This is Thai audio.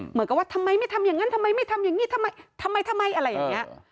เหมือนกับว่าทำไมไม่ทำอย่างนั้นทำไมไม่ทำอย่างนี้ทำไมทำไมอะไรอย่างนี้